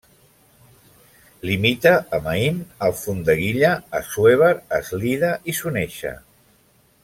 Limita amb Aín, Alfondeguilla, Assuévar, Eslida i Soneixa.